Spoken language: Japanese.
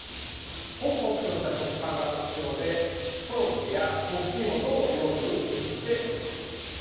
ホクホクとした食感が特徴でコロッケや粉ふきいも等の用途に適しております。